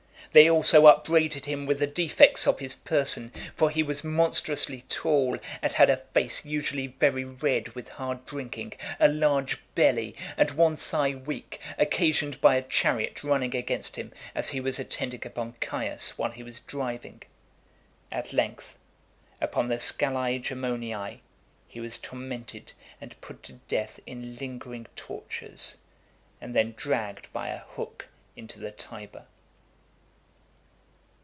They also upbraided him with the defects of his person, for he was monstrously tall, and had a face usually very red with hard drinking, a large belly, and one thigh weak, occasioned by a chariot running against him, as he was attending upon Caius , while he was driving. At length, upon the Scalae Gemoniae, he was tormented and put to death in lingering tortures, and then dragged by a hook into the Tiber.